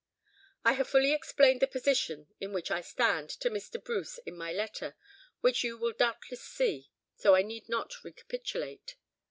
"I have fully explained the position in which I stand, to Mr. Bruce in my letter, which you will doubtless see, so I need not recapitulate.